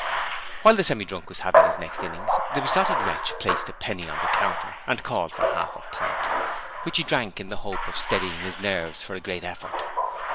While the Semi drunk was having his next innings, the Besotted Wretch placed a penny on the counter and called for a half a pint, which he drank in the hope of steadying his nerves for a great effort.